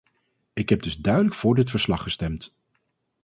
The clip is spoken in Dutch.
Ik heb dus duidelijk voor dit verslag gestemd.